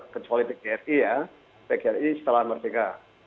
kecuali tgri ya tgri setelah merdeka